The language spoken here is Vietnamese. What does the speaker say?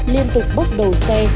liên tục bốc đầu xe